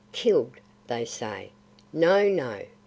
"Killed, they say." "No, no!